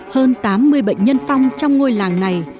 hơn tám mươi bệnh nhân phong trong ngôi làng này